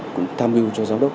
cũng tham mưu cho giáo đốc